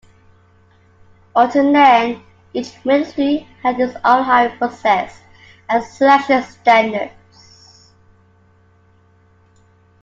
Until then, each ministry had its own hiring process and selection standards.